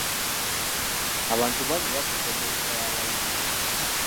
Abantu bangi bakoppa enneeyisa y'abayimbi.